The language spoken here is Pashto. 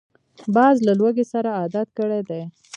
باز له لوږې سره عادت کړی دی